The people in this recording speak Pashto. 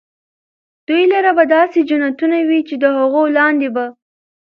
دوى لره به داسي جنتونه وي چي د هغو لاندي به